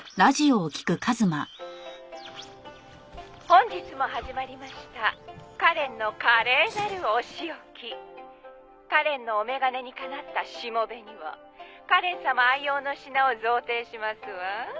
「本日も始まりました『カレンの華麗なるお仕置き』」「カレンのお眼鏡にかなったしもべにはカレン様愛用の品を贈呈しますわ」